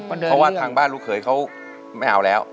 เพราะว่าทางบ้านลูกเขยเขาไม่เอาแล้ว